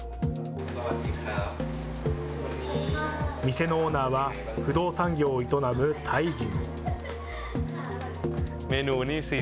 店のオーナーは、不動産業を営むタイ人。